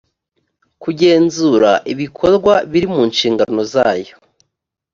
kugenzura ibikorwa biri mu nshingano zayo